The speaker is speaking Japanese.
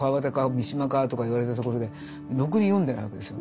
三島か？」とか言われたところでろくに読んでないわけですよ。